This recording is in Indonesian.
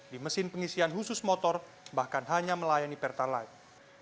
di mesin pengisian khusus motor bahkan hanya melayani pertalite